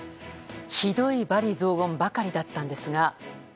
ひどい罵詈雑言ばかりだったんですが。